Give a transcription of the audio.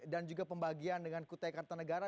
dan juga pembagian dengan kutai kartanegara